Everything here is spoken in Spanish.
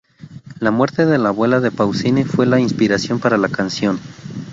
La muerte de la abuela de Pausini fue la inspiración para la canción.